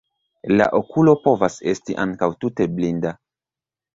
La okulo povas esti ankaŭ tute blinda.